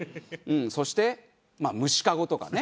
そして虫かごとかね。